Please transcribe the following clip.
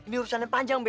ini urusan yang panjang be